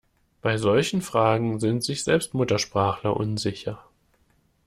Bei solchen Fragen sind sich selbst Muttersprachler unsicher.